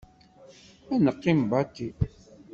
Ad neqqim bati.